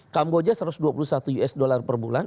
kamboja satu ratus dua puluh satu usd per bulan